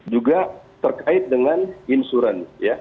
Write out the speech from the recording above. juga terkait dengan insurans